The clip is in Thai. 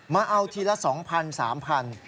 มาเอาทีละ๒๐๐๓๐๐บาท